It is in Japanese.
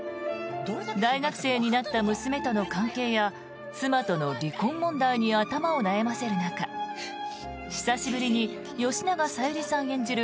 大学生になった娘との関係や妻との離婚問題に頭を悩ませる中久しぶりに吉永小百合さん演じる